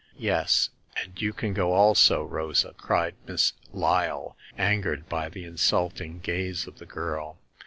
" Yes, and you can go also, Rosa," cried Miss Lyle, angered by the insulting gaze of the girl.